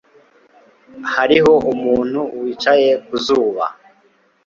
Hariho umuntu wicaye ku zuba